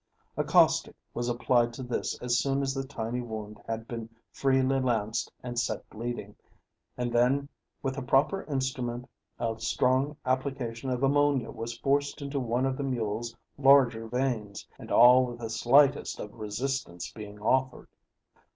A caustic was applied to this as soon as the tiny wound had been freely lanced and set bleeding, and then with the proper instrument a strong application of ammonia was forced into one of the mule's larger veins, and all with the slightest of resistance being offered.